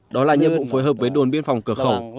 đó là nhiệm vụ phối hợp với đồn biên phòng cửa khẩu